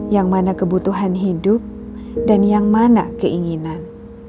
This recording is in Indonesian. yang mana kebutuhan hidup dan yang mana keinginan